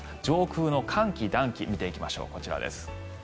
上空の寒気、暖気見ていきましょう、こちらです。